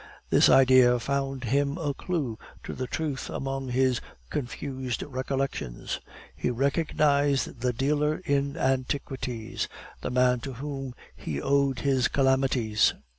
This idea found him a clue to the truth among his confused recollections; he recognized the dealer in antiquities, the man to whom he owed his calamities!